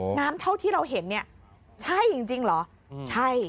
โอ้โหน้ำเท่าที่เราเห็นเนี้ยใช่จริงจริงเหรออืมใช่